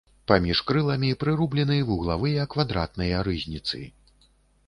Паміж крыламі прырублены вуглавыя квадратныя рызніцы.